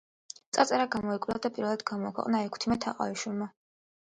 წარწერა გამოიკვლია და პირველად გამოაქვეყნა ექვთიმე თაყაიშვილმა.